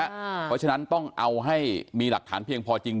เพราะฉะนั้นต้องเอาให้มีหลักฐานเพียงพอจริง